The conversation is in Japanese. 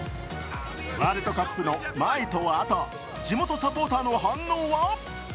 ワールドカップの前とあと地元サポーターの反応は？